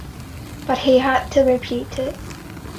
But he had to repeat it.